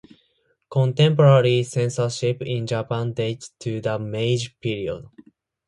Contemporary censorship in Japan dates to the Meiji period.